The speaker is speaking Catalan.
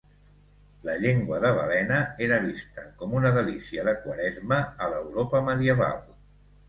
La llengua de balena era vista com una delícia de Quaresma a l'Europa medieval.